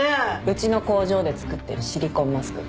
うちの工場で作ってるシリコンマスク。